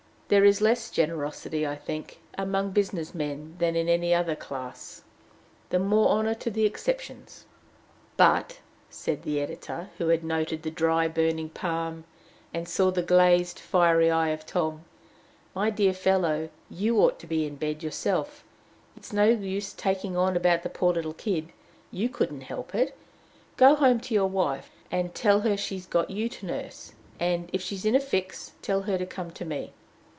There is less generosity, I think, among business men than in any other class. The more honor to the exceptions! "But," said the editor, who had noted the dry, burning palm, and saw the glazed, fiery eye of Tom, "my dear fellow, you ought to be in bed yourself. It's no use taking on about the poor little kid: you couldn't help it. Go home to your wife, and tell her she's got you to nurse; and, if she's in any fix, tell her to come to me."